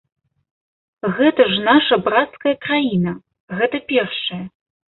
Гэта ж наша брацкая краіна, гэта першае.